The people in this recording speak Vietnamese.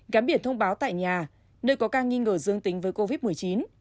gắn biển thông báo tại nhà nơi có ca nghi ngờ dương tính với covid một mươi chín